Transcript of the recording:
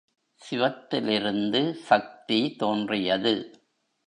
சிவத்திலிருந்து சக்தி தோன்றியது.